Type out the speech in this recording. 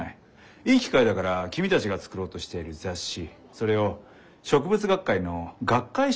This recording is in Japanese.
いい機会だから君たちが作ろうとしている雑誌それを植物学会の学会誌とすればいいだろう。